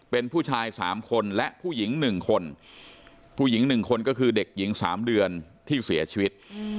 เป็นผู้ชาย๓คนและผู้หญิง๑คนผู้หญิง๑คนก็คือเด็กหญิง๓เดือนที่เสียชีวิต